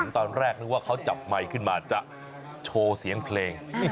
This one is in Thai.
ตอนแรกนึกว่าเขาจับไมค์ขึ้นมาจะโชว์เสียงเพลง